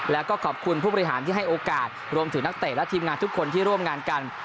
แล้วก็ขอบคุณผู้บริหารที่ให้โอกาสรวมถึงนักเตะและทีมงานทุกคนที่ร่วมงานกัน